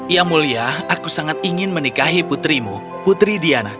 yang mulia aku sangat ingin menikahi putrimu putri diana